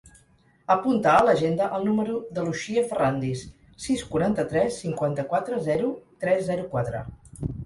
Apunta a l'agenda el número de l'Uxia Ferrandis: sis, quaranta-tres, cinquanta-quatre, zero, tres, zero, quatre.